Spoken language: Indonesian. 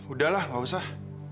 udahlah nggak usah